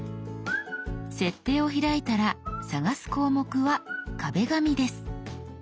「設定」を開いたら探す項目は「壁紙」です。